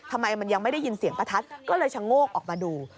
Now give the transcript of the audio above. ทำไมมันยังไม่ได้ยินเสียงประทัดก็เลยชะโงกออกมาดู